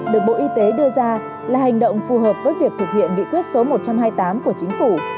được bộ y tế đưa ra là hành động phù hợp với việc thực hiện nghị quyết số một trăm hai mươi tám của chính phủ